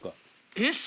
えっ？